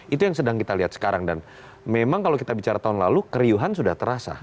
itu yang sedang kita lihat sekarang dan memang kalau kita bicara tahun lalu keriuhan sudah terasa